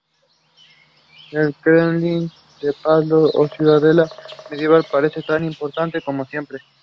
El kremlin de Pskov, o ciudadela medieval, parece tan impresionante como siempre.